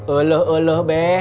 alah alah be